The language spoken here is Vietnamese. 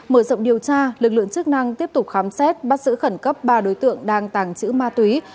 mở rộng điều tra lực lượng chức năng tiếp tục khám xét bắt giữ khẩn cấp ba đối tượng đang tàng trữ ma túy